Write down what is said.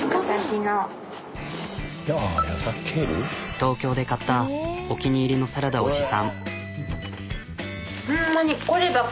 東京で買ったお気に入りのサラダを持参。